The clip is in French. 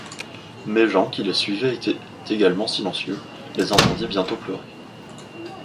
Mais Jean qui les suivait, également silencieux, les entendit bientôt pleurer.